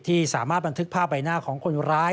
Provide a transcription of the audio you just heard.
ที่สามารถบันทึกภาพใบหน้าของคนร้าย